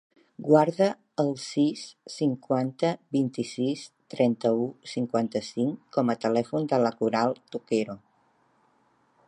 Guarda el sis, cinquanta, vint-i-sis, trenta-u, cinquanta-cinc com a telèfon de la Coral Toquero.